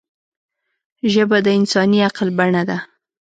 ژبه د انساني عقل بڼه ده